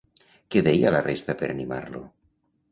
Què deia la resta per animar-lo?